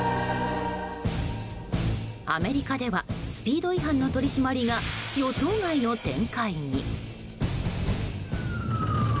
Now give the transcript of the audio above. アメリカではスピード違反の取り締まりが予想外の展開に。